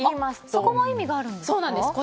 そこも意味があるんですか？